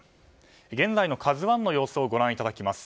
現在の「ＫＡＺＵ１」の様子をご覧いただきます。